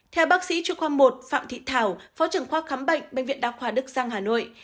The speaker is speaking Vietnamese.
theo bác sĩ chuyên khoa một phạm thị thảo phó trưởng khoa khám bệnh bệnh viện đa khoa đức giang hà nội